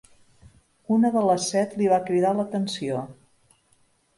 Una de les set li va cridar l'atenció.